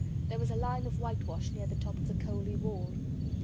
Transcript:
There was a line of whitewash near the top of the coaly wall.